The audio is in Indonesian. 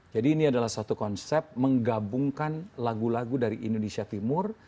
jadi ini adalah satu konsep menggabungkan lagu lagu dari indonesia timur